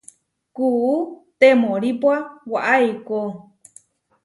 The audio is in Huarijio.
Kuú temóripua waʼá eikó.